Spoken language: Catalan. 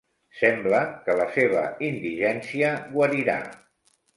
Sembla que la seva indigència guarirà.